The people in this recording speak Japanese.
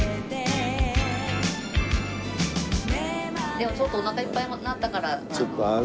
でもちょっとおなかいっぱいになったから。